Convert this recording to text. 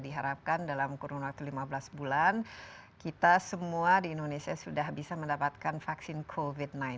diharapkan dalam kurun waktu lima belas bulan kita semua di indonesia sudah bisa mendapatkan vaksin covid sembilan belas